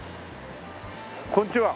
こんにちは。